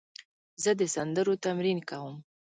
زه د سندرو تمرین کوم.